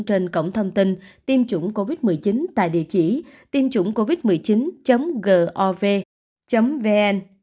trên cổng thông tin tiêm chủng covid một mươi chín tại địa chỉ tiêm chủng covid một mươi chín gov vn